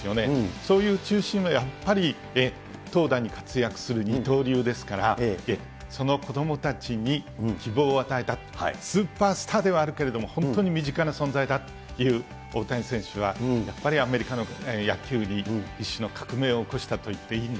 そういう中心はやっぱり投打に活躍する二刀流ですから、その子どもたちに希望を与えた、スーパースターではあるけれども、本当に身近な存在だという大谷選手は、やっぱりアメリカの野球に一種の革命を起こしたといってもいいん